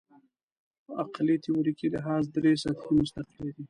عقلي تیوریکي لحاظ درې سطحې مستقلې دي.